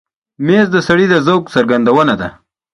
مېز د سړي د ذوق څرګندونه ده.